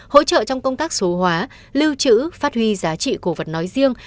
hỗ trợ trong công tác số hóa lưu trữ phát huy giá trị cổ vật nói riêng